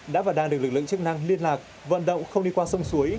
đã và đang được lực lượng chức năng liên lạc vận động không đi qua sông suối